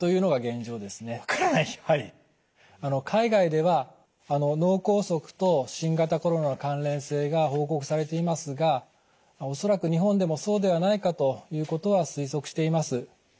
海外では脳梗塞と新型コロナの関連性が報告されていますが恐らく日本でもそうではないかということは推測しています。